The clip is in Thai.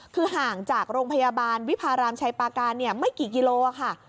คือห่างจากโรงพยาบาลวิพารามชายปาการไม่กี่กิโลค่ะ